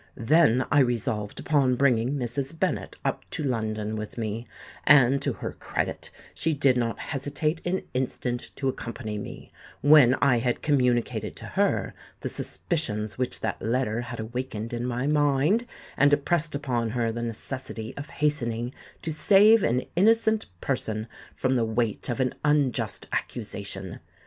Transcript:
Then I resolved upon bringing Mrs. Bennet up to London with me; and to her credit, she did not hesitate an instant to accompany me, when I had communicated to her the suspicions which that letter had awakened in my mind, and impressed upon her the necessity of hastening to save an innocent person from the weight of an unjust accusation.